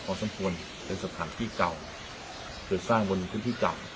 พอสมควรเป็นสถานที่เก่าคือสร้างบนพื้นที่เก่า